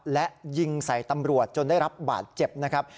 และยิงใส่ตำรวจจนได้รับบาดเจ็บนะครับ